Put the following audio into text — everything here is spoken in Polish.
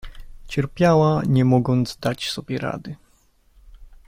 Cierpiała nie mogąc dać sobie rady.